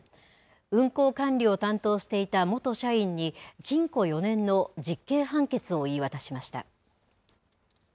運行管理を担当していた元社員に禁錮４年の実刑判決を言い渡しました。